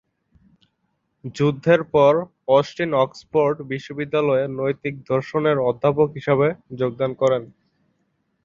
যুদ্ধের পর Austin Oxford বিশ্ববিদ্যালয়ে নৈতিক দর্শনের অধ্যাপক হিসেবে যোগদান করেন।